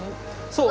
そう。